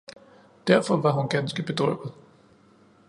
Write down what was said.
derfor var hun ganske bedrøvet.